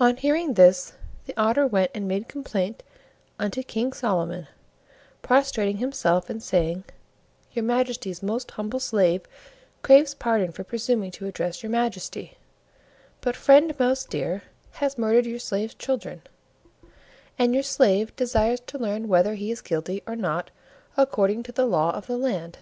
On hearing this the Otter went and made complaint unto King Solomon, prostrating himself and saying: "Your Majesty's most humble slave craves pardon for presuming to address your Majesty, but Friend Mouse deer has murdered your slave's children, and your slave desires to learn whether he is guilty or not according to the Law of the Land."